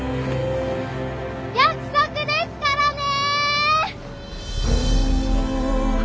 約束ですからね！